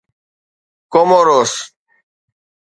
Comoros